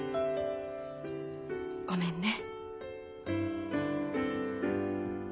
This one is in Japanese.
ごめんね。